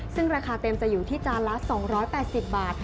ซึ่งราคาเต็มจะอยู่ที่จานละ๒๘๐บาท